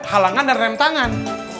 halangan dan rem tangan